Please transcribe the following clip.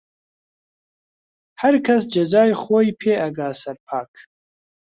هەرکەس جەزای خۆی پێ ئەگا سەرپاک